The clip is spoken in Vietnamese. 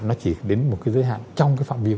nó chỉ đến một cái giới hạn